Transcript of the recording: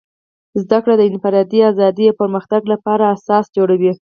زدهکړه د انفرادي ازادۍ او پرمختګ لپاره اساس جوړوي.